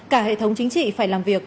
cả hệ thống chính trị phải làm việc